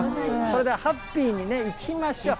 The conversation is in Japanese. それでは、ハッピーにいきましょう。